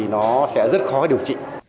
nó sẽ rất khó điều trị